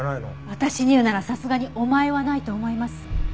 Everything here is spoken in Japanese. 私に言うならさすがに「お前」はないと思います。